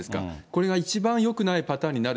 これが一番よくないパターンにな